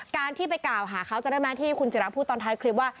การที่ไปกล่าวหาเขาจะได้ไหมที่คุณจิราพูดตอนท้ายคลิปว่า